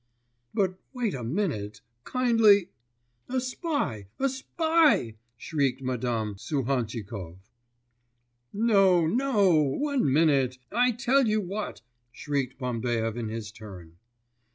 'But wait a minute, kindly ' 'A spy, a spy!' shrieked Madame Suhantchikov. 'No, no, one minute, I tell you what,' shrieked Bambaev in his turn.